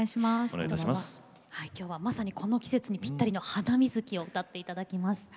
きょうはまさにこの季節にぴったりの「ハナミズキ」を歌っていただきます。